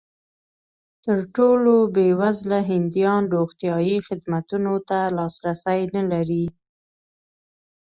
تر ټولو بېوزله هندیان روغتیايي خدمتونو ته لاسرسی نه لري.